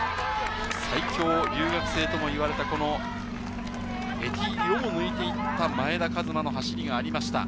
最強留学生とも言われたエティーリを抜いていった、前田和摩の走りがありました。